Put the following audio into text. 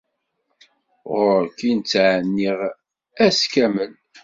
Ɣur-k i n-ttɛenniɣ ass kamel.